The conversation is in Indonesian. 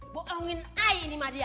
bohongin ai ini mah dia